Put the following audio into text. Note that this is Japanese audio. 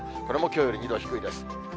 これもきょうより２度低いです。